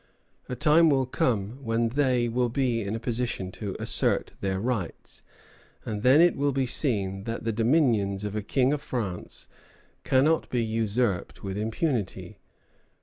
A time will come when they will be in a position to assert their rights, and then it will be seen that the dominions of a king of France cannot be usurped with impunity.